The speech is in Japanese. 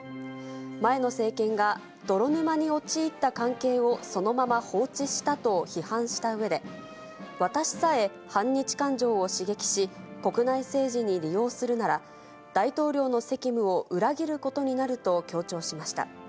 前の政権が、泥沼に陥った関係をそのまま放置したと批判したうえで、私さえ反日感情を刺激し、国内政治に利用するなら、大統領の責務を裏切ることになると強調しました。